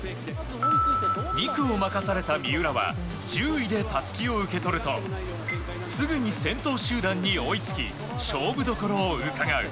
２区を任された三浦は１０位でたすきを受け取るとすぐに先頭集団に追いつき勝負どころをうかがう。